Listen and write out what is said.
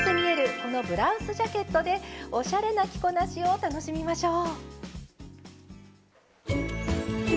このブラウスジャケットでおしゃれな着こなしを楽しみましょう。